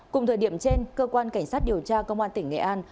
cùng thời điểm trên cơ quan cảnh sát điều tra công an tỉnh nghệ an